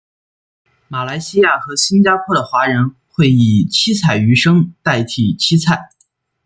马来西亚和新加坡的华人会以七彩鱼生代替七菜。